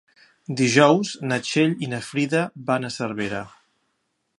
Dijous na Txell i na Frida van a Cervera.